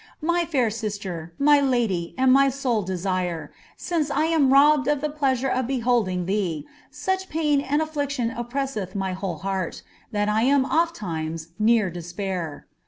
My fair sister, mv lady, and my sole desire! since 1 am robhed of the pleasure of beholding ihec, such pain and alHiclion oppresseth my whole heart, lliat I am olV liinrs near despair.